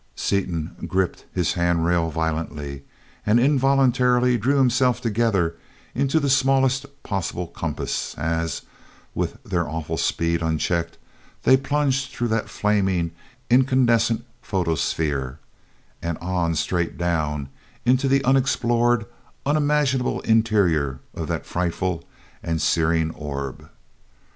Seaton gripped his hand rail violently and involuntarily drew himself together into the smallest possible compass as, with their awful speed unchecked, they plunged through that flaming, incandescent photosphere and on, straight down, into the unexplored, unimaginable interior of that frightful and searing orb.